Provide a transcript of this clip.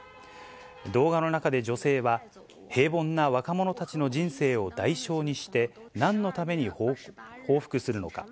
動画の中で女性は、平凡な若者たちの人生を代償にして、なんのために報復するのか。